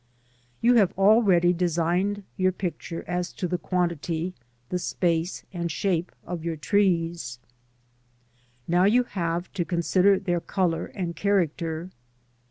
You have already designed your picture as to the quantity, the space, and shape of your trees ; now you have to consider their colour and character.